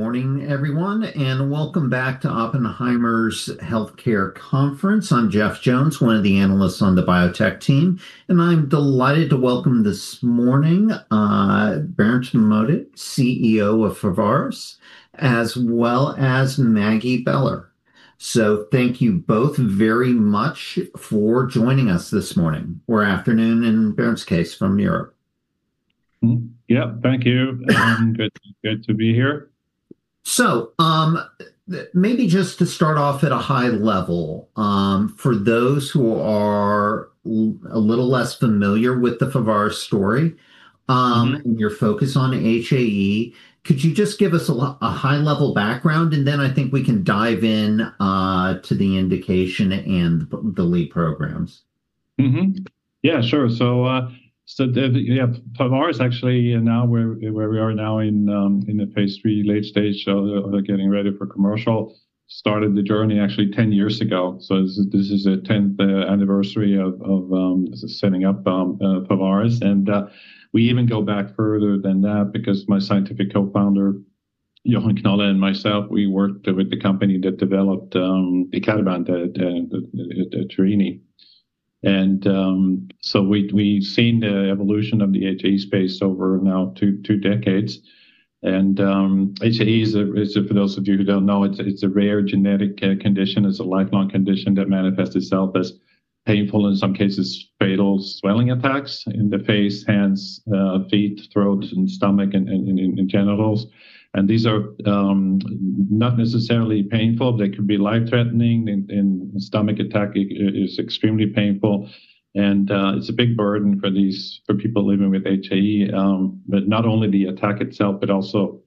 Morning, everyone, and welcome back to Oppenheimer's Healthcare Conference. I'm Jeff Jones, one of the analysts on the biotech team, and I'm delighted to welcome this morning, Berndt Modig, CEO of Pharvaris, as well as Maggie Beller. Thank you both very much for joining us this morning or afternoon, in Berndt's case, from Europe. Mm-hmm. Yep, thank you. Good to be here. Maybe just to start off at a high level, for those who are a little less familiar with the Pharvaris story. Mm-hmm Your focus on HAE, could you just give us a high-level background, and then I think we can dive in to the indication and the lead programs? Mm-hmm. Yeah, sure. Pharvaris actually, and now where we are now in the phase III, late stage, so they're getting ready for commercial, started the journey actually 10 years ago. This is the 10th anniversary of setting up Pharvaris. We even go back further than that because my scientific co-founder, Jochen Knolle and myself, we worked with the company that developed icatibant at Jerini. We've seen the evolution of the HAE space over now two decades. HAE is, for those of you who don't know, it's a rare genetic condition. It's a lifelong condition that manifests itself as painful, in some cases, fatal, swelling attacks in the face, hands, feet, throat, and stomach, and genitals. These are not necessarily painful. They could be life-threatening, and stomach attack is extremely painful, and it's a big burden for people living with HAE. Not only the attack itself, but also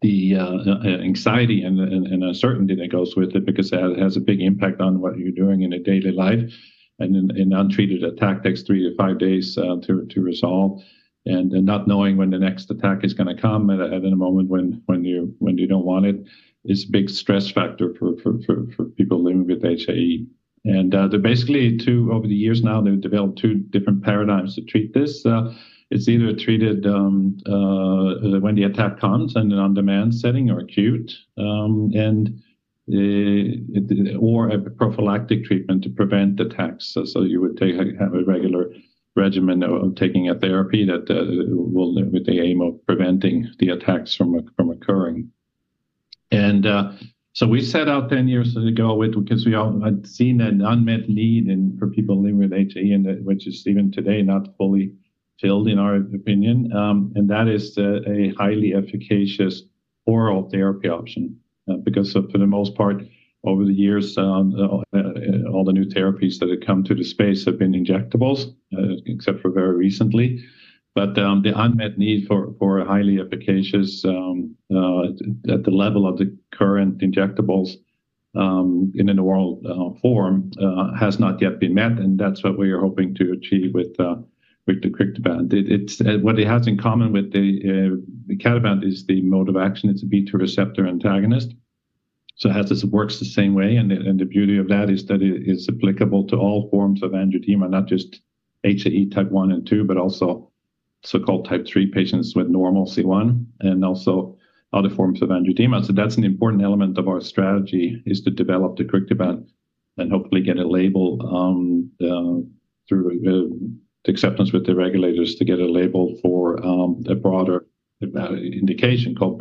the anxiety and uncertainty that goes with it because it has a big impact on what you're doing in a daily life. An untreated attack takes 3-5 days to resolve, and not knowing when the next attack is gonna come, and in a moment when you don't want it, is a big stress factor for people living with HAE. Over the years now, they've developed two different paradigms to treat this. It's either treated when the attack comes in an on-demand setting or acute, or a prophylactic treatment to prevent attacks. You would have a regular regimen of taking a therapy that will, with the aim of preventing the attacks from occurring. We set out 10 years ago because we all had seen an unmet need for people living with HAE, which is even today, not fully filled, in our opinion, a highly efficacious oral therapy option. Because for the most part, over the years, all the new therapies that have come to the space have been injectables, except for very recently. The unmet need for a highly efficacious, at the level of the current injectables, in an oral form, has not yet been met, and that's what we are hoping to achieve with deucrictibant. What it has in common with the icatibant is the mode of action. It's a B2 receptor antagonist, it works the same way, and the beauty of that is that it is applicable to all forms of angioedema, not just HAE type one and two, but also so-called type three patients with normal C1, and also other forms of angioedema. That's an important element of our strategy, is to develop the deucrictibant and hopefully get a label through the acceptance with the regulators to get a label for a broader indication called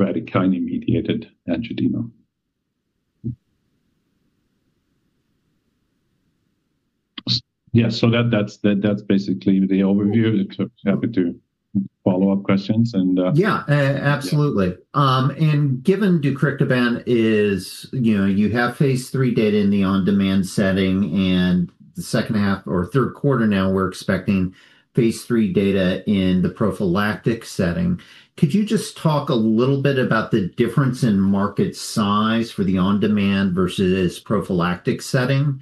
bradykinin-mediated angioedema. That's basically the overview. Happy to follow up questions. Yeah, absolutely. Yeah. Given deucrictibant, you know, you have phase III data in the on-demand setting, and the second half or third quarter now, we're expecting phase III data in the prophylactic setting. Could you just talk a little bit about the difference in market size for the on-demand versus prophylactic setting?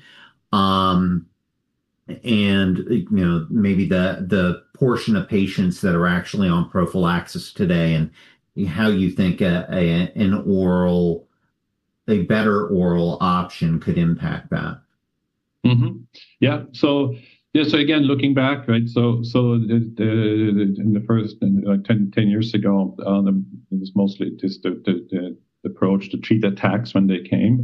You know, maybe the portion of patients that are actually on prophylaxis today and how you think a better oral option could impact that. Again, looking back, right, in the first 10 years ago, it was mostly just the approach to treat attacks when they came.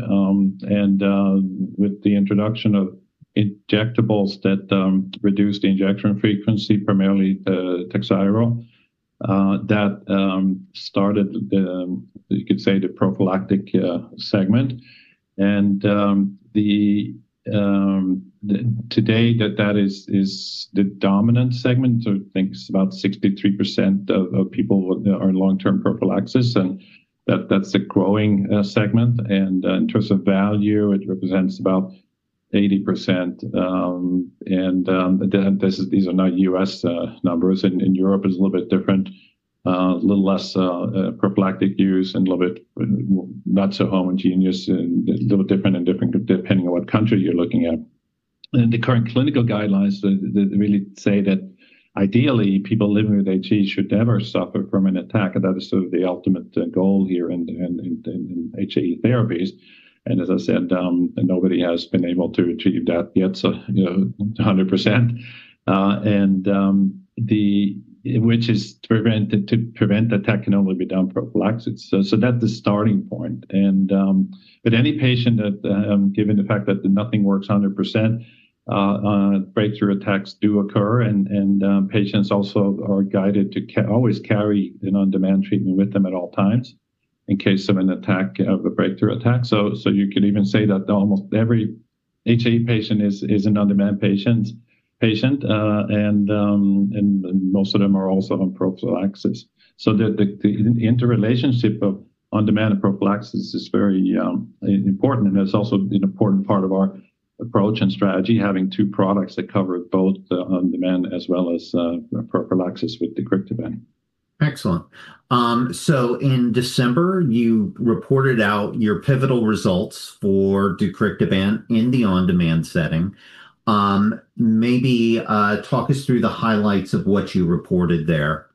With the introduction of injectables that reduced the injection frequency, primarily TAKHZYRO, that started, you could say, the prophylactic segment. Today, that is the dominant segment. I think it's about 63% of people are long-term prophylaxis, and that's a growing segment. In terms of value, it represents about 80%. These are not U.S. numbers. In Europe, it's a little bit different, a little less, prophylactic use and a little bit not so homogeneous and a little different depending on what country you're looking at. The current clinical guidelines that really say that ideally, people living with HAE should never suffer from an attack, and that is sort of the ultimate goal here in HAE therapies. As I said, nobody has been able to achieve that yet, so, you know, 100%. The, which is to prevent attack can only be done prophylaxis. That's the starting point. But any patient that given the fact that nothing works 100%, breakthrough attacks do occur, patients also are guided to always carry an on-demand treatment with them at all times in case of an attack, of a breakthrough attack. So you could even say that almost every HAE patient is an on-demand patient, and most of them are also on prophylaxis. The interrelationship of on-demand and prophylaxis is very important, and it's also an important part of our approach and strategy, having two products that cover both the on-demand as well as prophylaxis with the TAKHZYRO. Excellent. In December, you reported out your pivotal results for deucrictibant in the on-demand setting. Maybe talk us through the highlights of what you reported there.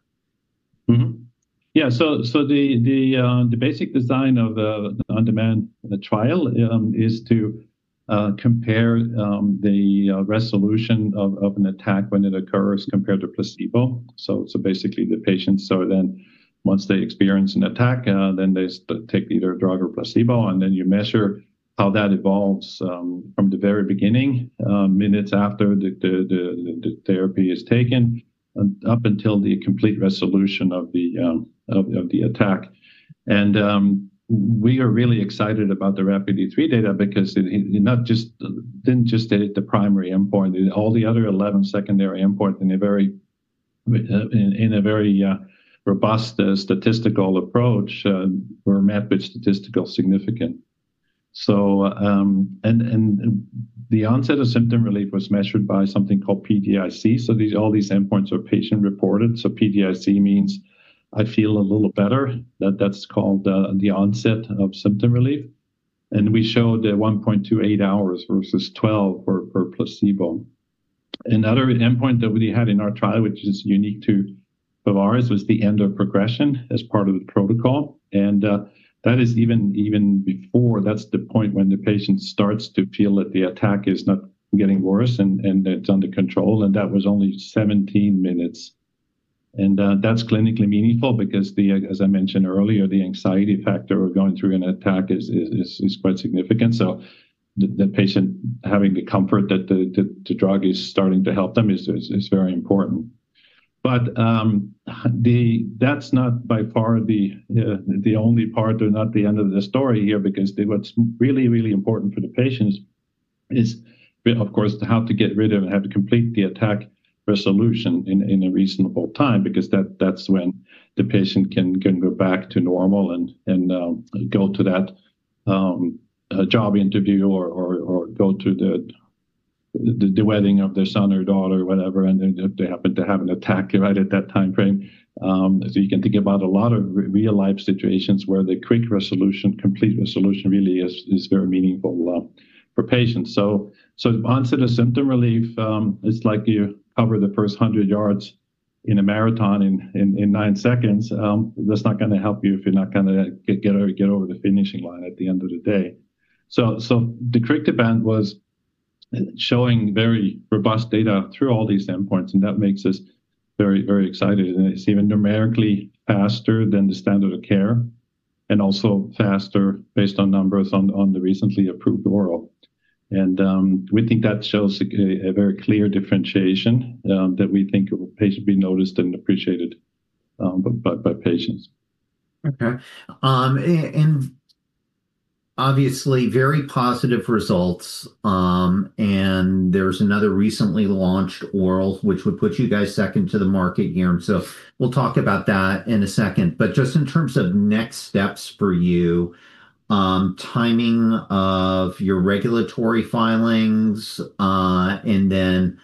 The basic design of the on-demand trial is to compare the resolution of an attack when it occurs compared to placebo. Basically, the patients, so then once they experience an attack, then they take either a drug or placebo, and then you measure how that evolves from the very beginning, minutes after the therapy is taken, and up until the complete resolution of the attack. We are really excited about the RAPIDe-3 data because it didn't just hit the primary endpoint, all the other 11 secondary endpoint in a very robust statistical approach, were mapped with statistically significant. The onset of symptom relief was measured by something called PGIC. These, all these endpoints are patient-reported. PGIC means I feel a little better, that's called the onset of symptom relief. We showed that 1.28 hours versus 12 for placebo. Another endpoint that we had in our trial, which is unique to Pharvaris, was the end of progression as part of the protocol. That is even before, that's the point when the patient starts to feel that the attack is not getting worse and it's under control, and that was only 17 minutes. That's clinically meaningful because, as I mentioned earlier, the anxiety factor of going through an attack is quite significant. The patient having the comfort that the drug is starting to help them is very important. That's not by far the only part or not the end of the story here, because what's really, really important for the patient is of course, to how to get rid of and have to complete the attack resolution in a reasonable time, because that's when the patient can go back to normal and go to that job interview or go to the wedding of their son or daughter, whatever, and then they happen to have an attack right at that time frame. You can think about a lot of real-life situations where the quick resolution, complete resolution, really is very meaningful for patients. the onset of symptom relief is like you cover the 100 yards in a marathon in nine seconds. That's not gonna help you if you're not gonna get over the finishing line at the end of the day. the TAKHZYRO was showing very robust data through all these endpoints, and that makes us very, very excited, and it's even numerically faster than the standard of care, and also faster based on numbers on the recently approved oral. we think that shows a very clear differentiation that we think will possibly be noticed and appreciated by patients. Okay. Obviously, very positive results, and there's another recently launched oral, which would put you guys second to the market here. We'll talk about that in a second. Just in terms of next steps for you, timing of your regulatory filings, and then,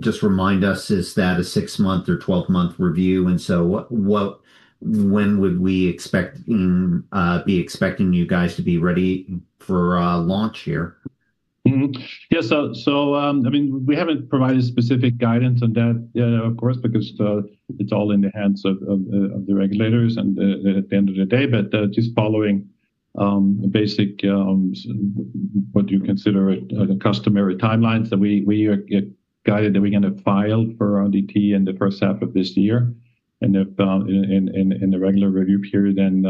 just remind us, is that a six-month or 12-month review? What, when would we expect, be expecting you guys to be ready for, launch here? Yeah, I mean, we haven't provided specific guidance on that, of course, because it's all in the hands of the regulators and at the end of the day, but just following basic, what you consider, the customary timelines that we are guided, that we're gonna file for our NDA in the first half of this year. If in the regular review period, then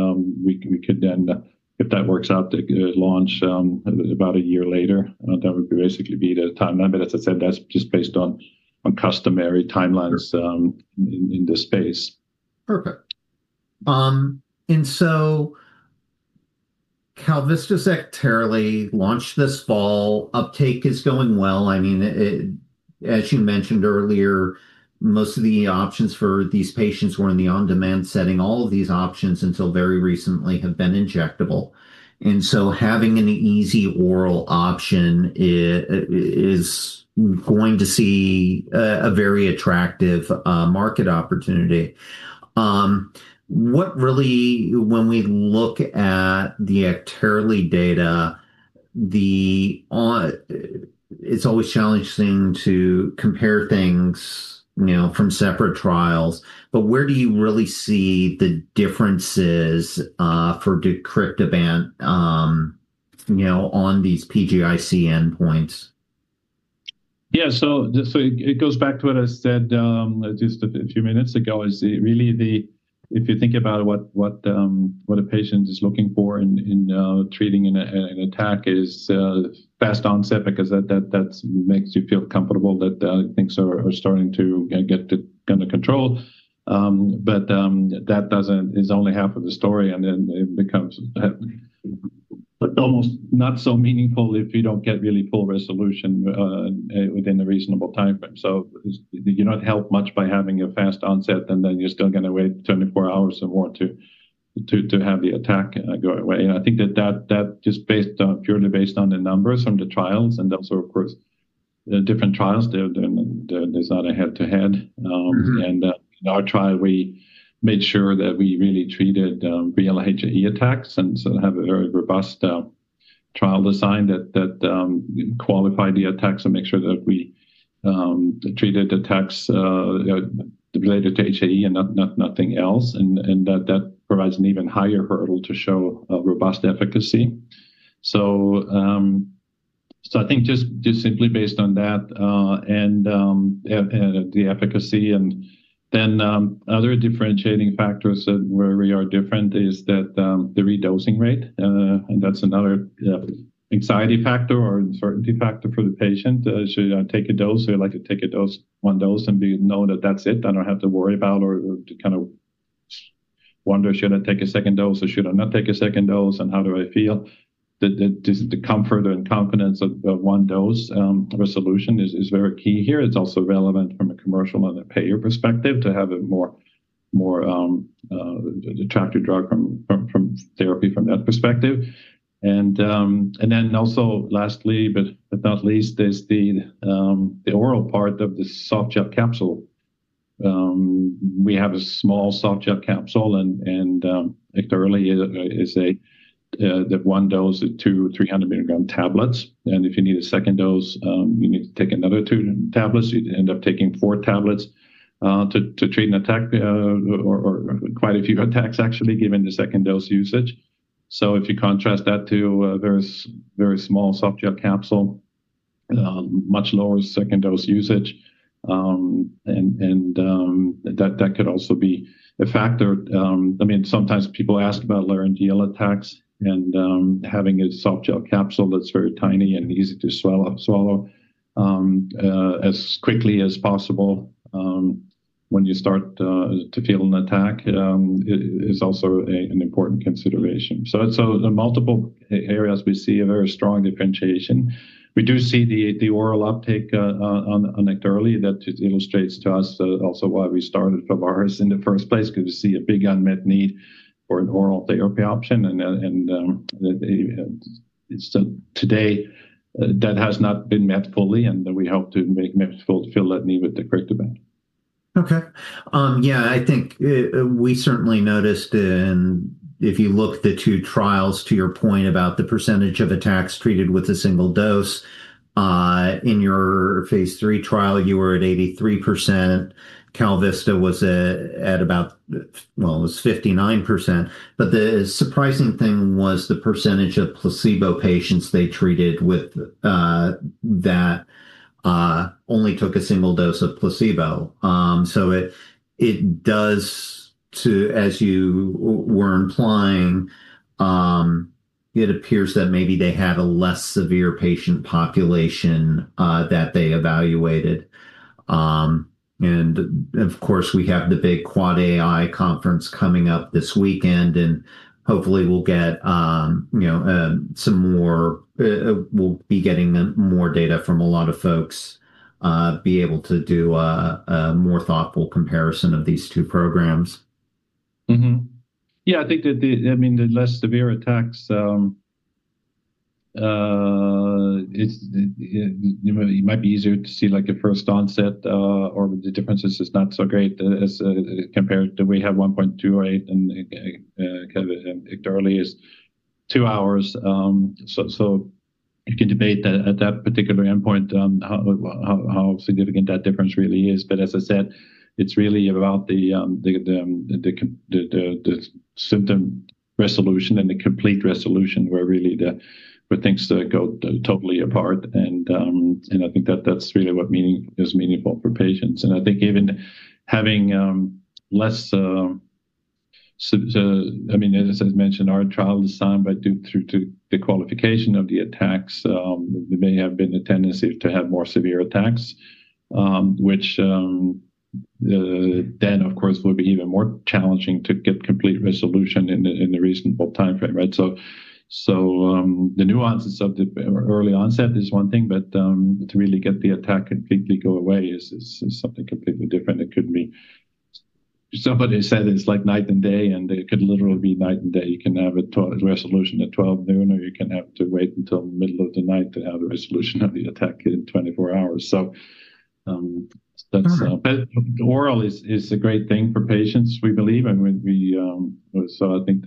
we could then, if that works out, the launch about a year later, that would basically be the timeline. As I said, that's just based on customary timelines in this space. Perfect. KalVista Ekterly launched this fall. Uptake is going well. I mean, as you mentioned earlier, most of the options for these patients were in the on-demand setting. All of these options, until very recently, have been injectable. Having an easy oral option is going to see a very attractive market opportunity. When we look at the Ekterly data, it's always challenging to compare things, you know, from separate trials, but where do you really see the differences for deucrictibant, you know, on these PGIC endpoints? Just so it goes back to what I said, a few minutes ago, is really the if you think about what a patient is looking for in treating an attack is fast onset, because that makes you feel comfortable that things are starting to get under control. That is only half of the story, and then it becomes, but almost not so meaningful if you don't get really full resolution within a reasonable timeframe. You're not helped much by having a fast onset, and then you're still gonna wait 24 hours or more to have the attack go away. I think that just based on, purely based on the numbers from the trials, and also, of course, the different trials, there's not a head-to-head. Mm-hmm. In our trial, we made sure that we really treated HAE attacks and so have a very robust trial design that qualified the attacks and make sure that we treated attacks related to HAE and nothing else. That provides an even higher hurdle to show a robust efficacy. I think simply based on that, and the efficacy, and then other differentiating factors that where we are different is that the redosing rate, and that's another anxiety factor or uncertainty factor for the patient. Should I take a dose? They like to take a dose, one dose and know that that's it, I don't have to worry about or to kind of wonder, should I take a 2nd dose, or should I not take a 2nd dose, and how do I feel? Just the comfort and confidence of one dose resolution is very key here. It's also relevant from a commercial and a payer perspective to have a more attractive drug from therapy from that perspective. Lastly, but not least, is the oral part of the softgel capsule. We have a small softgel capsule, and Ekterly is that one dose is 2 300 milligram tablets, and if you need a 2nd dose, you need to take another two tablets. You'd end up taking four tablets to treat an attack or quite a few attacks, actually, given the second dose usage. If you contrast that to a very small softgel capsule, much lower second dose usage, and that could also be a factor. I mean, sometimes people ask about laryngeal attacks and having a softgel capsule that's very tiny and easy to swallow as quickly as possible when you start to feel an attack is also an important consideration. The multiple areas we see a very strong differentiation. We do see the oral uptake on Ekterly. That just illustrates to us, also why we started Pharvaris in the first place, because we see a big unmet need for an oral therapy option, and so today, that has not been met fully, and we hope to make meaningful to fill that need with deucrictibant. Yeah, I think we certainly noticed in... if you look the two trials, to your point about the percentage of attacks treated with a single dose, in your phase III trial, you were at 83%. KalVista was at about, well, it was 59%. The surprising thing was the percentage of placebo patients they treated with that only took a single dose of placebo. It, it does to, as you were implying, it appears that maybe they had a less severe patient population that they evaluated. Of course, we have the big AAAAI conference coming up this weekend, and hopefully we'll get, you know, some more, we'll be getting, more data from a lot of folks, be able to do a more thoughtful comparison of these two programs. I think that the, I mean, the less severe attacks, it's, it might be easier to see, like, a first onset, or the differences is not so great as compared to we have 1.2, right? KalVista and Ekterly is two hours, so you can debate that at that particular endpoint, how significant that difference really is. As I said, it's really about the symptom resolution and the complete resolution where really the, where things go totally apart. I think that that's really what is meaningful for patients. I think even having less, I mean, as I mentioned, our trial design, but due through to the qualification of the attacks, there may have been a tendency to have more severe attacks, which then of course, would be even more challenging to get complete resolution in the reasonable timeframe, right? The nuances of the early onset is one thing, but to really get the attack completely go away is something completely different. It could be. Somebody said it's like night and day. It could literally be night and day. You can have a resolution at 12 noon, or you can have to wait until the middle of the night to have a resolution of the attack in 24 hours. That's. Okay. Oral is a great thing for patients, we believe, and we, so I think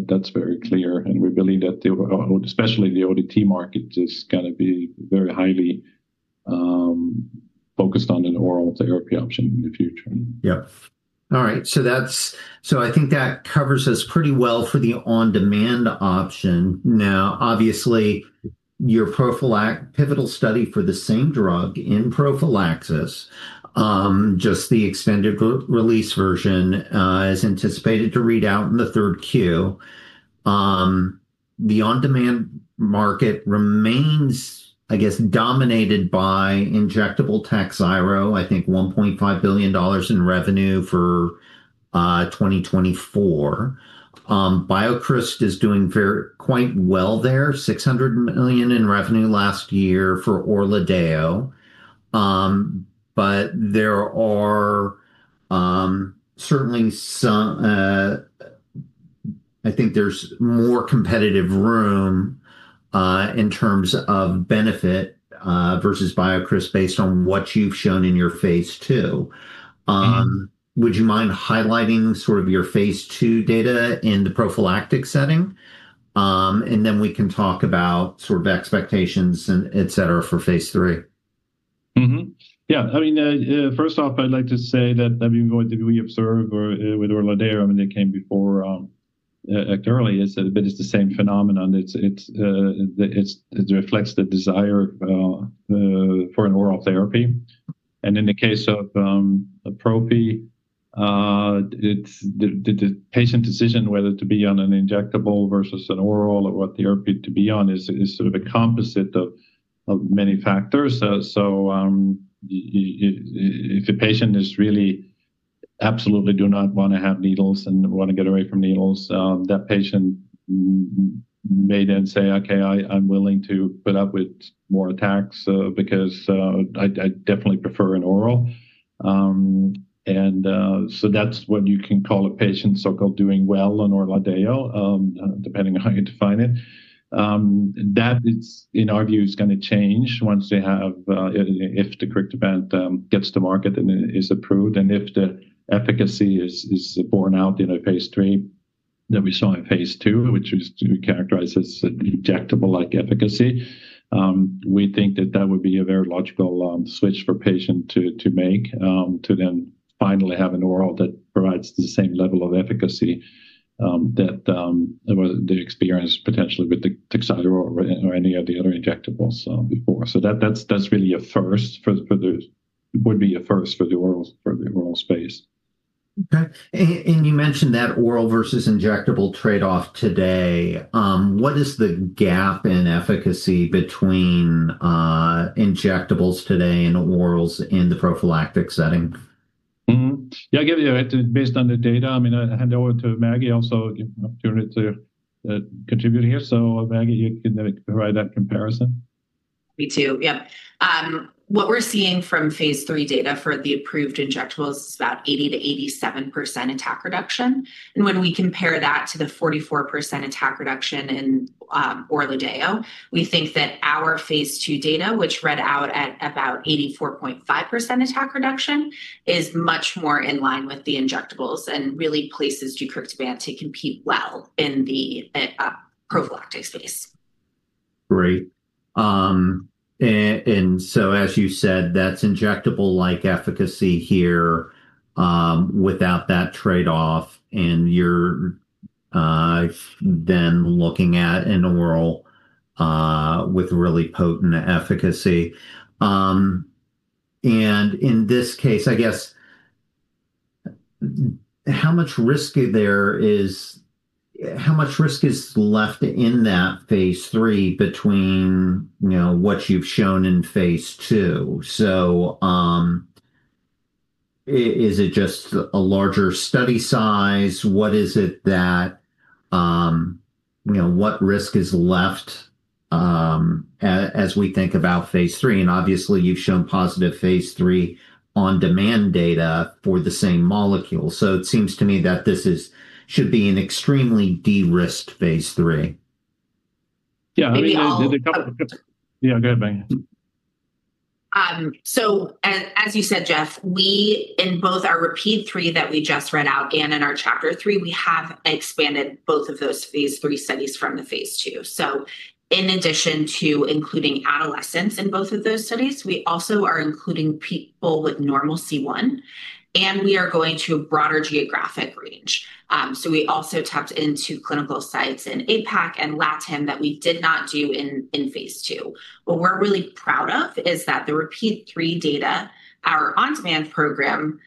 that's very clear, and we believe that the especially the ODT market is gonna be very highly focused on an oral therapy option in the future. Yep. All right, I think that covers us pretty well for the on-demand option. Obviously, your pivotal study for the same drug in prophylaxis, just the extended-release version, is anticipated to read out in the third Q. The on-demand market remains, I guess, dominated by injectable TAKHZYRO, I think $1.5 billion in revenue for 2024. BioCryst is doing quite well there, $600 million in revenue last year for ORLADEYO. There are certainly some I think there's more competitive room in terms of benefit versus BioCryst, based on what you've shown in your phase II. Would you mind highlighting sort of your phase II data in the prophylactic setting? We can talk about sort of the expectations and et cetera, for phase III. Yeah. I mean, first off, I'd like to say that, I mean, what did we observe or with ORLADEYO, I mean, they came before, Actemra, but it's the same phenomenon. It's, it reflects the desire for an oral therapy. In the case of the Prophy, it's the patient decision whether to be on an injectable versus an oral or what therapy to be on is sort of a composite of many factors. If a patient is really absolutely do not wanna have needles and wanna get away from needles, that patient may then say, "Okay, I'm willing to put up with more attacks, because I'd definitely prefer an oral." That's what you can call a patient so-called doing well on ORLADEYO, depending on how you define it. That is, in our view, is gonna change once they have, if the deucrictibant gets to market and is approved, and if the efficacy is borne out in a phase III that we saw in phase II, which is characterized as injectable-like efficacy. We think that that would be a very logical switch for patient to make, to then finally have an oral that provides the same level of efficacy that they experienced potentially with the TAKHZYRO or any of the other injectables before. That's really a first for the oral space. Okay. You mentioned that oral versus injectable trade-off today. What is the gap in efficacy between injectables today and orals in the prophylactic setting? I give you, based on the data, I mean, I hand over to Maggie also an opportunity to contribute here. Maggie, you can provide that comparison. Me too. Yep. What we're seeing from phase III data for the approved injectables is about 80%-87% attack reduction. When we compare that to the 44% attack reduction in ORLADEYO, we think that our phase II data, which read out at about 84.5% attack reduction, is much more in line with the injectables and really places deucrictibant to compete well in the prophylactic space. Great. As you said, that's injectable-like efficacy here, without that trade-off, and you're then looking at an oral with really potent efficacy. In this case, I guess, how much risk is left in that phase III between, you know, what you've shown in phase II? Is it just a larger study size? What is it that, you know, what risk is left as we think about phase III? Obviously, you've shown positive phase III on-demand data for the same molecule. It seems to me that this should be an extremely de-risked phase III. Yeah, I mean. Maybe I'll- Yeah, go ahead, Maggie. As you said, Jeff, we, in both our RAPIDe-3 that we just read out and in our CHAPTER-3, we have expanded both of those phase III studies from the phase II. In addition to including adolescents in both of those studies, we also are including people with normal C1 inhibitor, and we are going to a broader geographic range. We also tapped into clinical sites in APAC and LATAM that we did not do in phase II. What we're really proud of is that the RAPIDe-3 data, our on-demand program,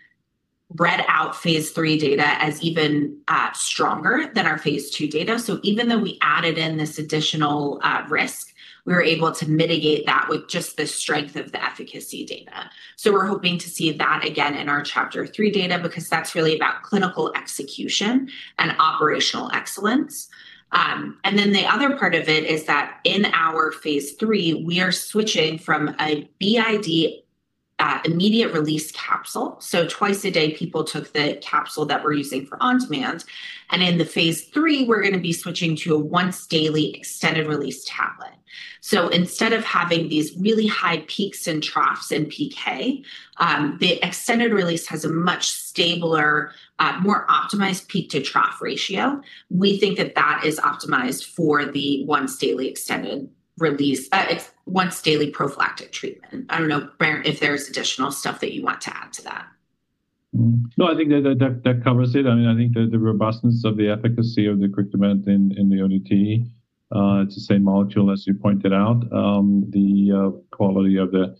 read out phase II data as even stronger than our phase II data. Even though we added in this additional risk, we were able to mitigate that with just the strength of the efficacy data. We're hoping to see that again in our CHAPTER-3 data, because that's really about clinical execution and operational excellence. The other part of it is that in our phase III, we are switching from a BID immediate release capsule. Two times a day, people took the capsule that we're using for on-demand, and in the phase III, we're going to be switching to a once daily extended-release tablet. Instead of having these really high peaks and troughs in PK, the extended-release has a much stabler, more optimized peak to trough ratio. We think that that is optimized for the once daily extended-release, it's once daily prophylactic treatment. I don't know, Per, if there's additional stuff that you want to add to that. No, I think that covers it. I mean, I think the robustness of the efficacy of deucrictibant in the ODT, it's the same molecule as you pointed out, the quality of the,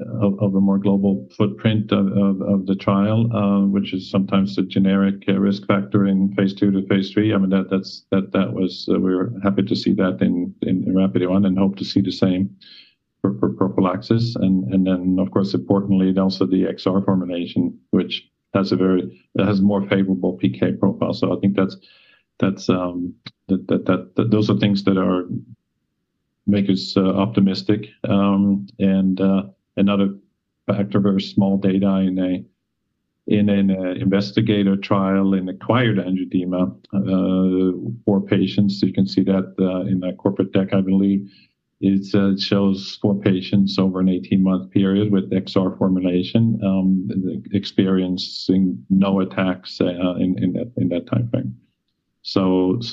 of a more global footprint of the trial, which is sometimes a generic risk factor in phase II to phase III. I mean, that's, that was... we were happy to see that in RAPIDe-1, and hope to see the same for prophylaxis. Then, of course, importantly, also the XR formulation, which has more favorable PK profile. I think that's, that, those are things that make us optimistic. Another factor, very small data in an investigator trial in acquired angioedema for patients. You can see that in that corporate deck. I believe it shows four patients over an 18-month period with XR formulation experiencing no attacks in that time frame.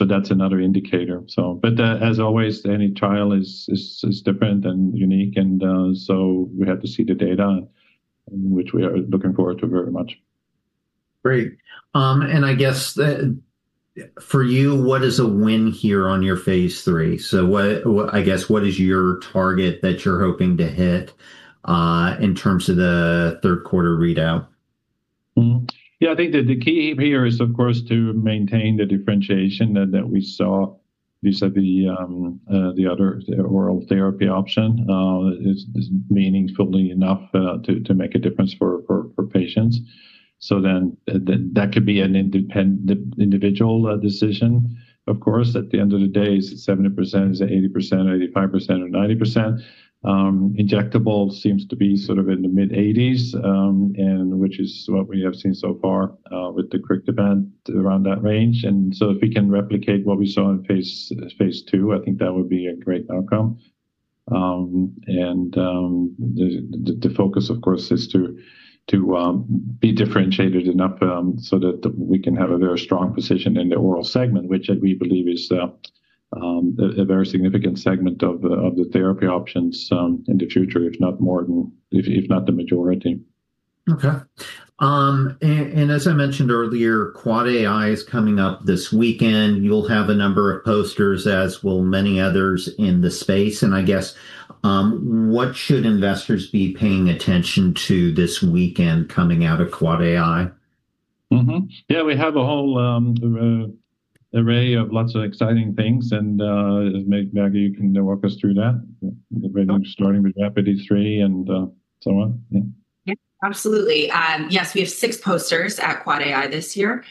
That's another indicator. As always, any trial is different and unique, and we have to see the data, which we are looking forward to very much. Great. I guess, the, for you, what is a win here on your phase III? What, what, I guess, what is your target that you're hoping to hit, in terms of the third quarter readout? Yeah, I think that the key here is, of course, to maintain the differentiation that we saw vis-à-vis the other, the oral therapy option, is meaningfully enough to make a difference for patients. That could be an individual decision. Of course, at the end of the day, is it 70%, is it 80%, 85%, or 90%? Injectable seems to be sort of in the mid-80s, and which is what we have seen so far with the quick demand around that range. If we can replicate what we saw in phase II, I think that would be a great outcome. The focus, of course, is to be differentiated enough, so that we can have a very strong position in the oral segment, which we believe is a very significant segment of the therapy options, in the future, if not more than... if not the majority. Okay. As I mentioned earlier, AAAAI is coming up this weekend. You'll have a number of posters, as will many others in the space. I guess, what should investors be paying attention to this weekend coming out of AAAAI? We have a whole array of lots of exciting things. Maybe Maggie, you can walk us through that, starting with RAPIDe-3 and so on. Yeah, absolutely. Yes, we have six posters at AAAAI this year.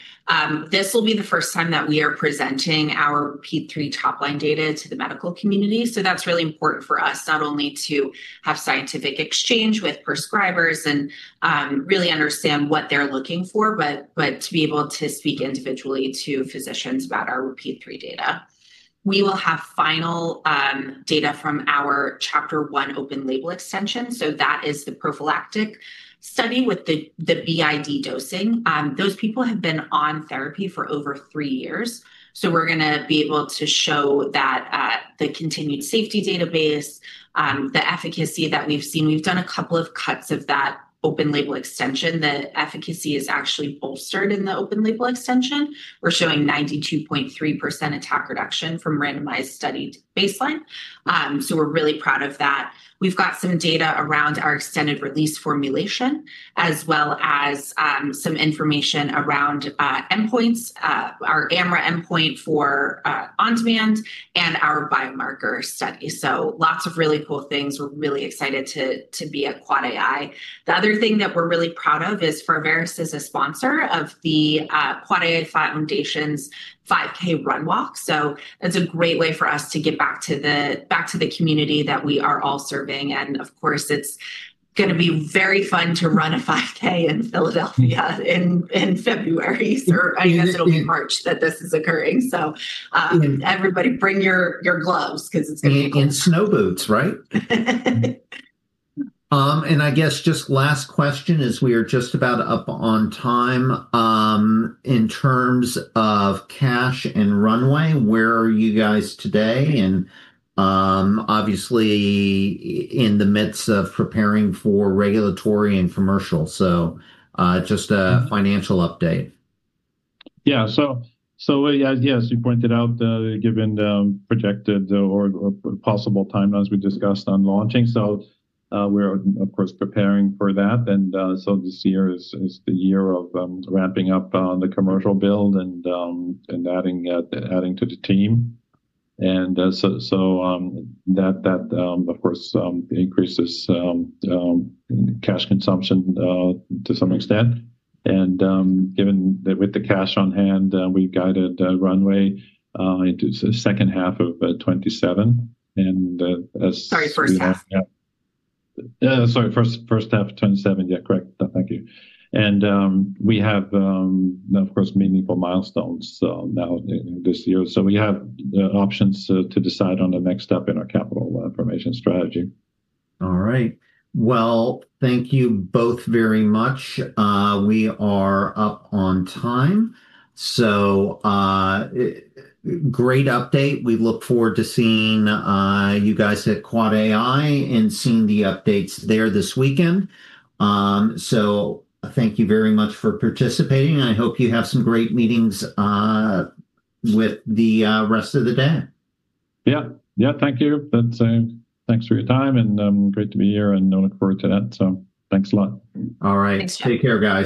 This will be the first time that we are presenting our phase III top line data to the medical community. That's really important for us, not only to have scientific exchange with prescribers and really understand what they're looking for, but to be able to speak individually to physicians about our phase III data. We will have final data from our CHAPTER-1 open-label extension, so that is the prophylactic study with the BID dosing. Those people have been on therapy for over three years, so we're gonna be able to show that the continued safety database, the efficacy that we've seen. We've done a couple of cuts of that open-label extension. The efficacy is actually bolstered in the open-label extension. We're showing 92.3% attack reduction from randomized studied baseline. We're really proud of that. We've got some data around our extended-release formulation, as well as, some information around endpoints, our AMRA endpoint for on-demand and our biomarker study. Lots of really cool things. We're really excited to be at AAAAI. The other thing that we're really proud of is Pharvaris as a sponsor of the HAEA Foundation's 5K run walk. It's a great way for us to give back to the community that we are all serving, and of course, it's gonna be very fun to run a 5K in Philadelphia in February, or I guess it'll be March that this is occurring. Everybody bring your gloves because it's gonna be cold. Snow boots, right? I guess just last question, as we are just about up on time, in terms of cash and runway, where are you guys today? Obviously in the midst of preparing for regulatory and commercial, just a financial update. Yeah. So, yeah, as you pointed out, given the projected or possible timelines we discussed on launching. We're of course preparing for that. This year is the year of ramping up on the commercial build and adding to the team. That, of course, increases cash consumption to some extent. Given that with the cash on hand, we guided runway into the second half of 2027. Sorry, first half. Yeah. Sorry, first half of 2027. Yeah, correct. Thank you. We have, of course, meaningful milestones now in this year. We have the options to decide on the next step in our capital formation strategy. All right. Well, thank you both very much. We are up on time, so, great update. We look forward to seeing you guys at AAAAI and seeing the updates there this weekend. Thank you very much for participating, and I hope you have some great meetings with the rest of the day. Yeah. Yeah. Thank you. Same. Thanks for your time, and great to be here, and I look forward to that. Thanks a lot. All right. Thanks. Take care, guys.